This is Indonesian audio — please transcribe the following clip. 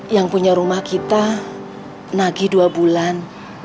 yang punya rumah kita nagih dua bulan